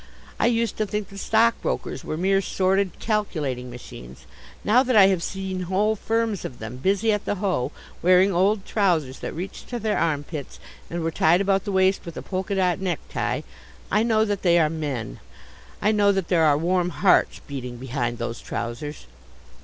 I used to think that stock brokers were mere sordid calculating machines. Now that I have seen whole firms of them busy at the hoe, wearing old trousers that reached to their armpits and were tied about the waist with a polka dot necktie, I know that they are men. I know that there are warm hearts beating behind those trousers.